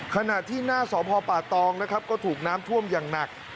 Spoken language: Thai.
ขณะที่หน้าสพป่าตองนะครับก็ถูกน้ำท่วมอย่างหนัก